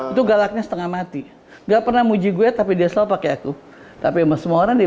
itu galaknya setengah mati nggak pernah muji gue tapi dia selalu pakai aku tapi semua orang di